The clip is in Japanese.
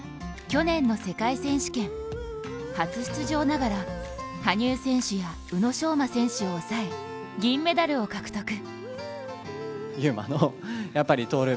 去年の世界選手権初出場ながら羽生選手や宇野昌磨選手を抑え、銀メダルを獲得。